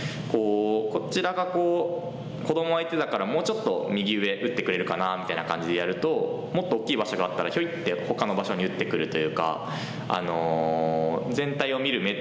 こちらが子ども相手だからもうちょっと右上打ってくれるかなみたいな感じでやるともっと大きい場所があったらひょいってほかの場所に打ってくるというか。